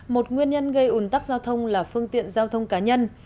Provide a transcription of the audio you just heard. một nguyên nhân gây ủn tắc giao thông là phương tiện giao thông cá nhân